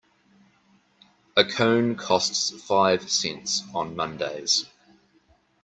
A cone costs five cents on Mondays.